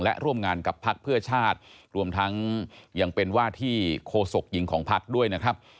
และร่วมงานกับพักเพื่อชาติรวมทั้งยังเป็นว่าที่โคศกหญิงของพักด้วยนะครับ